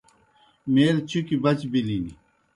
میل چُکیْ بچ بِلِن۔